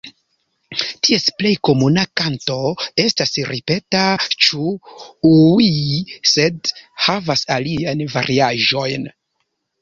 Ties plej komuna kanto estas ripeta "ĉu-ŭii" sed havas aliajn variaĵojn.